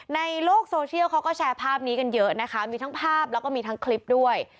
ในโลกโซเชียลเขาก็แชร์ภาพนี้กันเยอะนะคะมีทั้งภาพแล้วก็มีทั้งคลิปด้วย